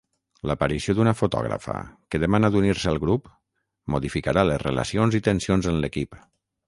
L'aparició d'una fotògrafa, que demana d'unir-se al grup, modificarà les relacions i tensions en l'equip.